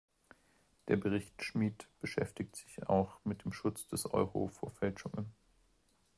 Der Bericht Schmid beschäftigt sich auch mit dem Schutz des Euro vor Fälschungen.